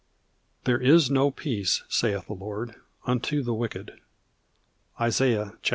There is no peace, saith the Lord, unto the wicked (Isaiah 48:22).